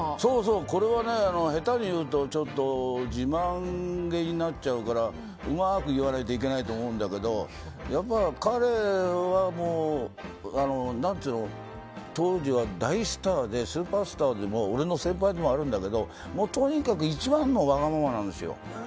これはね、下手に言うと自慢げになっちゃうからうまく言わないといけないと思うんだけど彼は当時は大スターでスーパースターで俺の先輩でもあるんだけどとにかく一番わがままなんですよ。